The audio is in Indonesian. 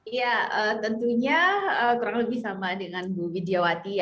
iya tentunya kurang lebih sama dengan bu widjawati